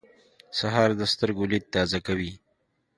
سهار د سترګو لید تازه کوي.